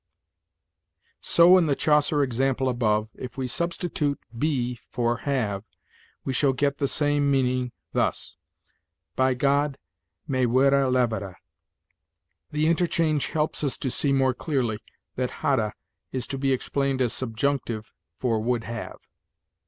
"So, in the Chaucer example above, if we substitute 'be' for 'have,' we shall get the same meaning, thus: 'By God, me were levere .' The interchange helps us to see more clearly that 'hadde' is to be explained as subjunctive for 'would have.'"